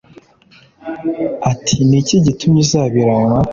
ati ni iki gitumye uzabiranywa